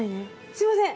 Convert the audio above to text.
すみません。